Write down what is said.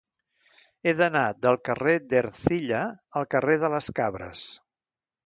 He d'anar del carrer d'Ercilla al carrer de les Cabres.